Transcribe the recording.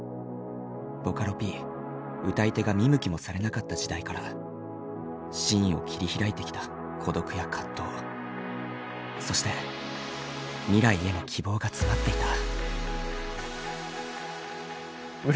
ボカロＰ歌い手が見向きもされなかった時代からシーンを切り開いてきた孤独や葛藤そして未来への希望が詰まっていた。